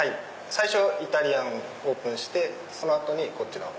最初イタリアンオープンしてその後にこちらを。